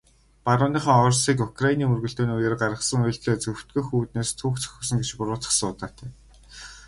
Барууныхан Оросыг Украины мөргөлдөөний үеэр гаргасан үйлдлээ зөвтгөх үүднээс түүх зохиосон гэж буруутгасан удаатай.